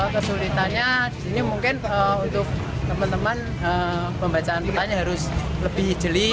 kesulitannya disini mungkin untuk teman teman pembacaan petanya harus lebih jeli